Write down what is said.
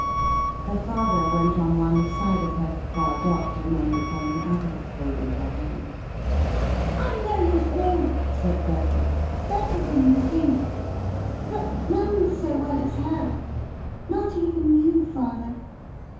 Her father went on one side of her, while Dot remained upon the other: holding her hand. "I know you all," said Bertha, "better than you think. But none so well as her. Not even you, father.